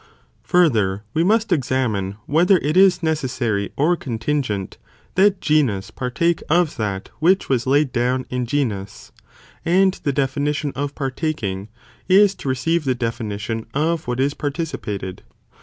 4th. Whether | Further, (we must examine) whether it is ne react cessary or contingent that genus partake of that predicated of Which was laid down in genus, and the definition ns of partaking, is to receive the definition of what is participated.